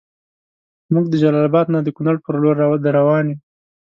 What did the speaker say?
مونږ د جلال اباد نه د کونړ پر لور دروان یو